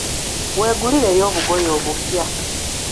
Weegulireyo obugoye obupya.